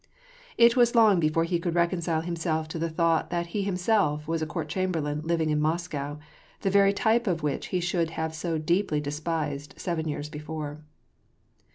It was long before he could reconcile himself to the thought that he himself was a court chamberlain living in Moscow, the very type of what he should have so deeply despised seven years before.